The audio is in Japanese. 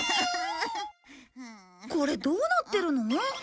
これどうなってるの？